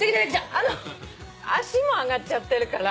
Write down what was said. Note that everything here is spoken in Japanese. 足も上がっちゃってるから。